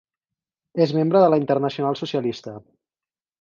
És membre de la Internacional Socialista.